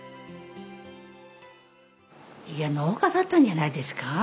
いや農家だったんじゃないですか。